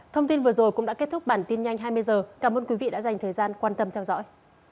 thông tin vừa rồi cũng đã kết thúc bản tin nhanh hai mươi h cảm ơn quý vị đã dành thời gian quan tâm theo dõi